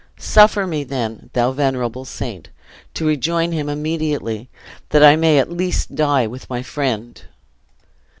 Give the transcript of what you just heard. Suffer me, then, thou venerable saint! to rejoin him immediately, that I may at least die with my friend!"